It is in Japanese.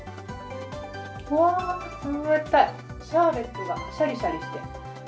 わー、冷たい、シャーベットがシャリシャリして。